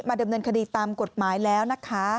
ดำเนินคดีตามกฎหมายแล้วนะคะ